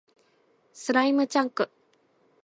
スライムチャンク